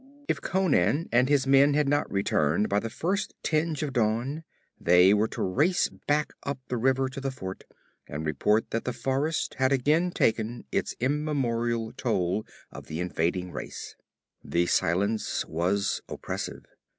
If Conan and his men had not returned by the first tinge of dawn, they were to race back up the river to the fort and report that the forest had again taken its immemorial toll of the invading race. The silence was oppressive.